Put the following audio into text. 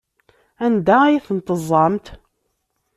Anda ay ten-teẓẓamt?